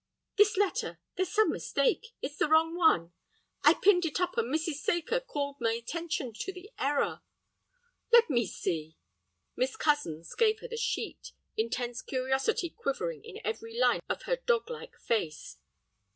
"This letter; there's some mistake. It's the wrong one. I pinned it up, and Mrs. Saker called my attention to the error." "Let me see." Miss Cozens gave her the sheet, intense curiosity quivering in every line of her doglike face.